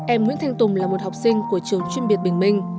em nguyễn thanh tùng là một học sinh của trường chuyên biệt bình minh